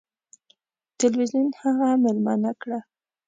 تلویزیون هغه میلمنه کړه.